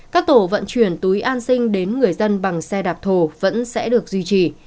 các tổ vận chuyển túi an sinh đến người dân bằng xe đạp thổ vẫn sẽ được duy trì